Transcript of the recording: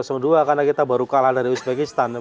karena kita baru kalah dari uzbekistan